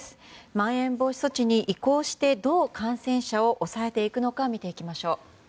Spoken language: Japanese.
まん延防止措置に移行してどう感染者を抑えていくのか見ていきましょう。